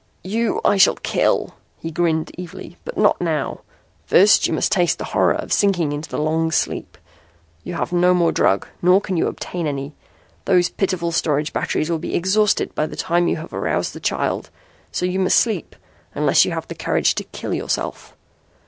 "You I shall kill," he grinned evilly. "But not now. First you must taste the horror of sinking into the long sleep. You have no more drug, nor can you obtain any. Those pitiful storage batteries will be exhausted by the time you have aroused the child. So you must sleep unless you have the courage to kill yourself.